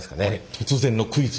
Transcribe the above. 突然のクイズ。